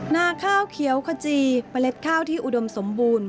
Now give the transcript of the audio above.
นาข้าวเขียวขจีเมล็ดข้าวที่อุดมสมบูรณ์